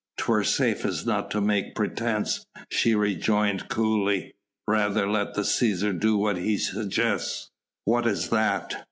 "'Twere safest not to make pretence," she rejoined coolly; "rather let the Cæsar do what he suggests." "What is that?"